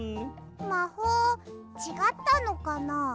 まほうちがったのかな？